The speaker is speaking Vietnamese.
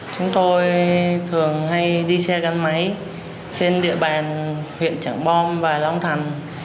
chúng tôi thường hay đi xe gắn máy trên địa bàn huyện trảng bom và long thành